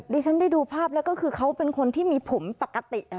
ดิฉันได้ดูภาพแล้วก็คือเขาเป็นคนที่มีผมปกติ